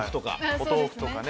お豆腐とかね